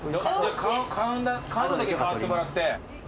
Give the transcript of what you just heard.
買うのだけ買わせてもらって。